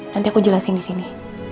nanti aku jelasin di sini